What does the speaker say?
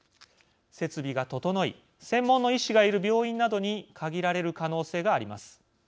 設備が整い専門の医師がいる病院などに限られる可能性があります。